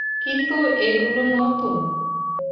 কিন্তু এগুলো নতুন।